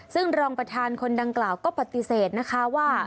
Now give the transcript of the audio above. ซึ่งรองประธานคนดังกล่าวก็ปฏิเสธนะคะว่า